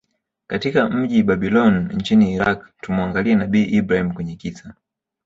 katika mji Babylon nchini Iraq Tumuangalie nabii Ibrahim kwenye kisa